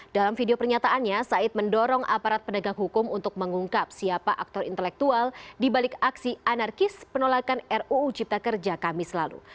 dalam video pernyataannya said mendorong aparat penegak hukum untuk mengungkap siapa aktor intelektual dibalik aksi anarkis penolakan ruu cipta kerja kami selalu